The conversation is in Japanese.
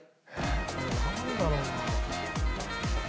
これなんだろうな。